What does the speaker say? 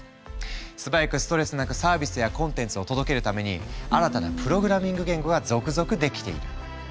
素早くストレスなくサービスやコンテンツを届けるために新たなプログラミング言語が続々出来ている。